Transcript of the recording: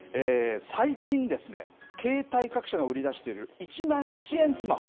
最近ですね、携帯各社が売り出している１円スマホ。